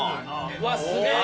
うわっすげえ！